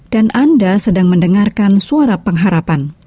dan anda sedang mendengarkan suara pengharapan